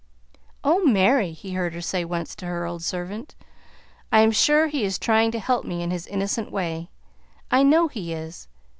"Oh, Mary!" he heard her say once to her old servant; "I am sure he is trying to help me in his innocent way I know he is.